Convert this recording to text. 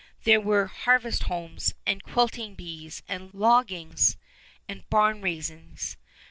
There were "harvest homes" and "quilting bees" and "loggings" and "barn raisings."